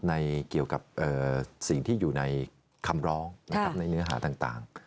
เกี่ยวกับสิ่งที่อยู่ในคำร้องนะครับในเนื้อหาต่าง